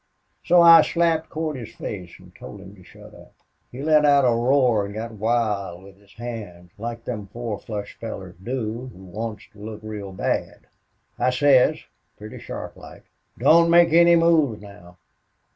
So I slapped Cordy's face an' told him to shut up. He let out a roar an' got wild with his hands, like them four flush fellers do who wants to look real bad. I says, pretty sharplike, 'Don't make any moves now!